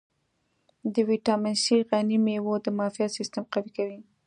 په ویټامین C غني مېوې د معافیت سیستم قوي کوي.